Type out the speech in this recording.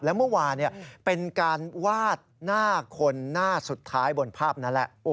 และเมื่อวานเป็นการวาดหน้าคนหน้าสุดท้ายบนภาพนั้นแหละ